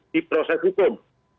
di proses hukum